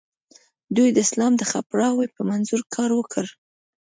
دوی د اسلام د خپراوي په منظور کار وکړ.